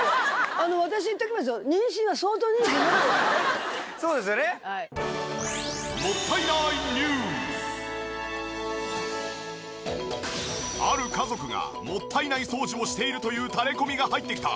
あの私言っておきますけどある家族がもったいない掃除をしているというタレコミが入ってきた。